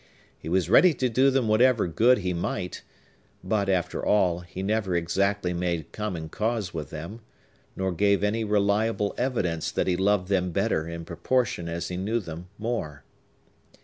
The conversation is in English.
He was ready to do them whatever good he might; but, after all, he never exactly made common cause with them, nor gave any reliable evidence that he loved them better in proportion as he knew them more.